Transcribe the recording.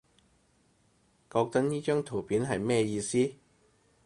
覺得呢張圖片係咩意思？